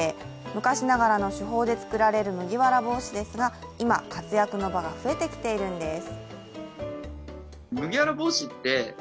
昔ながらの手法で作られる麦わら帽子ですが今活躍の場が増えてきているんです。